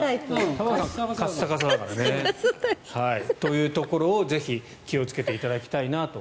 玉川さんはカッサカサだからね。というところをぜひ気をつけていただきたいなと